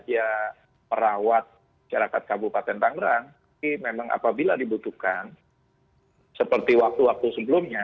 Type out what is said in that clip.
kita merawat syarikat kabupaten bangra tapi memang apabila dibutuhkan seperti waktu waktu sebelumnya